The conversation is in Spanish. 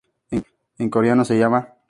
En coreano, se llama 독립신문.